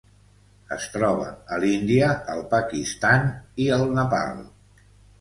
Es troba a l'Índia, el Pakistan i el Nepal.